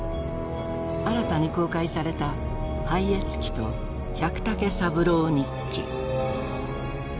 新たに公開された「拝謁記」と「百武三郎日記」。